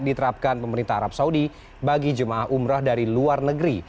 diterapkan pemerintah arab saudi bagi jemaah umroh dari luar negeri